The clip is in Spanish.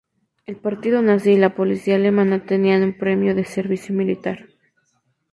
El Partido Nazi y la Policía alemana tenían un premio de servicio similar.